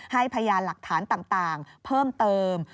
พยานหลักฐานต่างเพิ่มเติม